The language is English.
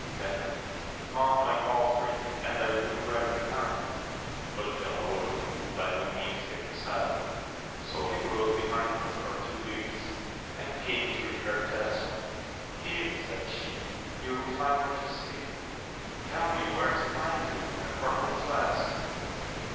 Then mount my palfrey, and I will ride behind. But Galaor would by no means take the saddle ; so he rode behind her for two leagues, and came to a fair castle : Here, said she, you will find what you seek. Tell me where to find you, and for whom to ask.